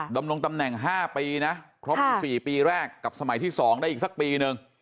ดำรงตำแหน่ง๕ปีนะครบ๑๔ปีแรกกับสมัยที่๒ได้อีกสักปีนึง